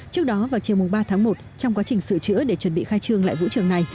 trước đó vào chiều ba tháng một trong quá trình sửa chữa để chuẩn bị khai trương lại vũ trường này